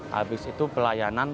habis itu pelayanan